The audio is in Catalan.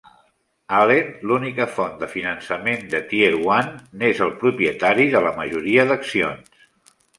Allen, l'única font de finançament de Tier One, n'és el propietari de la majoria d'accions.